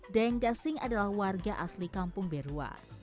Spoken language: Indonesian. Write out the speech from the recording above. deng gasing adalah warga asli kampung berua